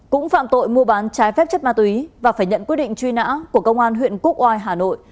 cũng phạm tội mua bán trái phép chất ma túy và phải nhận quyết định truy nã của công an huyện quốc oai hà nội